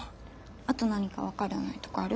あと何か分からないとこある？